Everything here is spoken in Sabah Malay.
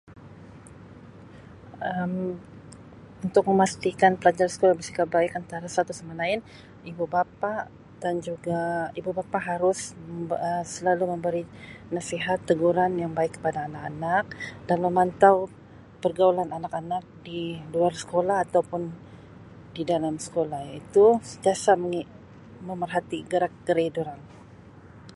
Um Untuk memastikan pelajar sekolah bersikap baik antara satu sama lain ibu-bapa dan juga ibu-bapa harus Um selalu memberi nasihat teguran yang baik kepada anak-anak dan memantau pergaulan anak-anak di luar sekolah atau pun di dalam sekolah iaitu sentiasa memerhati gerak geri dorang.